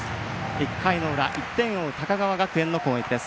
１回の裏、１点を追う高川学園の攻撃です。